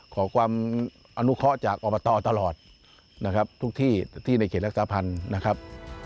ขอความอนุเคาะจากอบตตลอดทุกที่ในเขตรักษาพันธุ์นะครับ